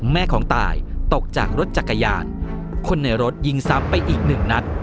แม่ของตายตกจากรถจักรยานคนในรถยิงซ้ำไปอีกหนึ่งนัด